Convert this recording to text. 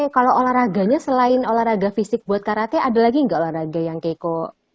kalau olahraganya selain olahraga fisik buat karate ada lagi nggak olahraga yang keiko